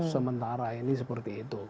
sementara ini seperti itu